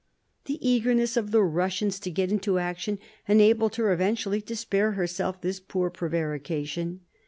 The eagerness of the Eussians to get into action enabled her eventually to spare herself this poor prevarication.